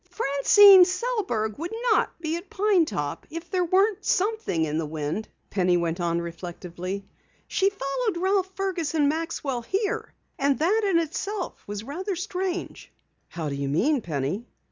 "Francine Sellberg wouldn't be at Pine Top if something weren't in the wind," Penny went on reflectively. "She followed Ralph Fergus and Maxwell here. And that in itself was rather strange." "How do you mean, Penny?"